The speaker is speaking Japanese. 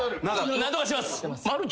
何とかします。